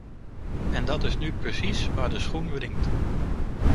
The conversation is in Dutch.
En dat is nu precies waar de schoen wringt.